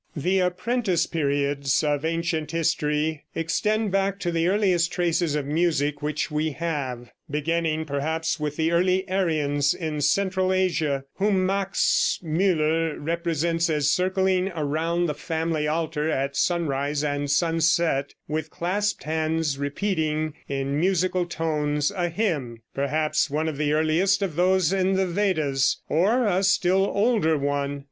The apprentice periods of ancient history extend back to the earliest traces of music which we have, beginning perhaps with the early Aryans in central Asia, whom Max Müller represents as circling around the family altar at sunrise and sunset, and with clasped hands repeating in musical tones a hymn, perhaps one of the earliest of those in the Vedas, or a still older one.